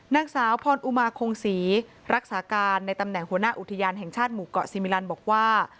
นางสาวพรอุมาคงศรีรักษาการในตำแหน่งหัวหน้าอุทยานแห่งชาติหมู่เกาะซีมิลันบอกว่า